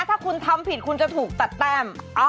ถ้าคุณทำผิดคุณจะถูกตัดแต้ม